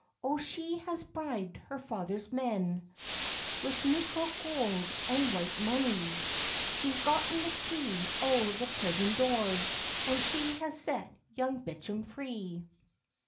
O she has bribed her father's men Wi meikle goud and white money, She's gotten the key o the prison doors, And she has set Young Bicham free.